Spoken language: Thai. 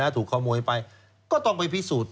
ถูกขโมยไปก็ต้องไปพิสูจน์